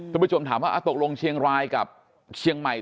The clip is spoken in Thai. คุณผู้ชมถามว่าตกลงเชียงรายกับเชียงใหม่